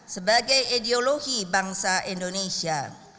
sebagai ideologi bangsa indonesia